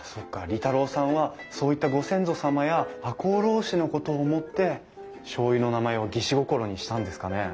利太郎さんはそういったご先祖様や赤穂浪士のことを思ってしょうゆの名前を義士心にしたんですかね。